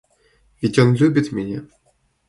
Ведь он любит меня!